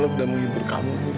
sekarang aku rindu kamu mil